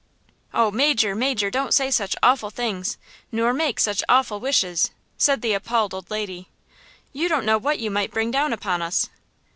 "Oh, Major! Major! don't say such awful things, nor make such awful wishes!" said the appalled old lady–"you don't know what you might bring down upon us!"